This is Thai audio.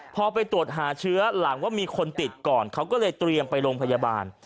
พอไปตรวจหาเชื้อหลังว่ามีคนติดก่อนเขาก็เลยเตรียมไปโรงพยาบาล